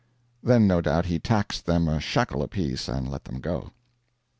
Then, no doubt, he taxed them a shekel apiece and let them go.